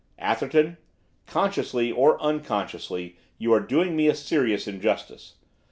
'Atherton, consciously, or unconsciously, you are doing me a serious injustice.